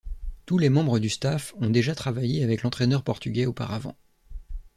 Tous les membres du staff ont déjà travaillé avec l'entraîneur portugais auparavant.